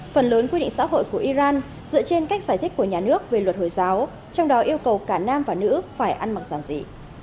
phần lớn quy định xã hội của iran dựa trên cách giải thích của nhà nước về luật hồi giáo trong đó yêu cầu cả nam và nữ phải ăn mặc giản dị